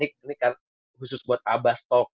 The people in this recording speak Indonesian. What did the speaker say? ini kan khusus buat abastok